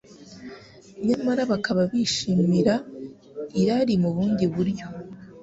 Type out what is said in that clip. nyamara bakaba bishimira irari mu bundi buryo,